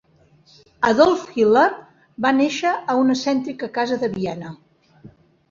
Adolf Hitler va néixer a una cèntrica casa de Viena